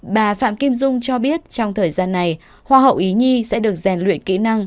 bà phạm kim dung cho biết trong thời gian này hoa hậu ý nhi sẽ được rèn luyện kỹ năng